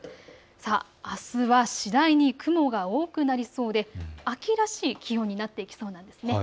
あすは次第に雲が多くなりそうで秋らしい気温になっていきそうなんです。